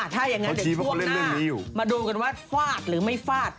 ถ้าอย่างนั้นเดี๋ยวช่วงหน้ามาดูกันว่าฟาดหรือไม่ฟาด